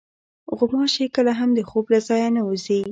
غوماشې کله هم د خوب له ځایه نه وځي.